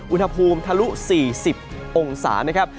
อุณหภูมิทะลุ๔๐องศานะครับ